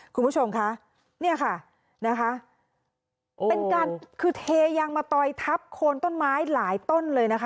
คุณผู้ชมคะเนี่ยค่ะนะคะเป็นการคือเทยางมะตอยทับโคนต้นไม้หลายต้นเลยนะคะ